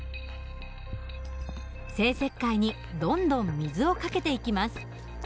生石灰にどんどん水をかけていきます。